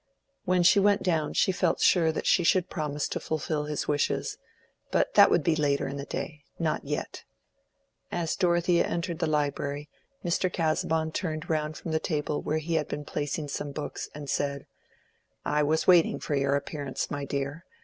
When she went down she felt sure that she should promise to fulfil his wishes; but that would be later in the day—not yet. As Dorothea entered the library, Mr. Casaubon turned round from the table where he had been placing some books, and said— "I was waiting for your appearance, my dear.